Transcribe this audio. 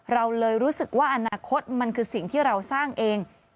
เราเลยรู้สึกว่าอนาคตมันคือสิ่งที่เราสร้างเอง